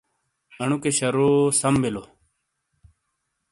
انوکے شارو سَم بِیلو۔